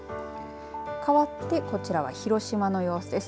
かわってこちらは広島の様子です。